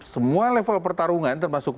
semua level pertarungan termasuk